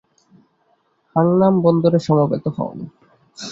হাংনাম বন্দরে সমবেত হও।